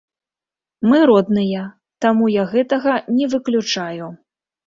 Мы родныя, таму я гэтага не выключаю.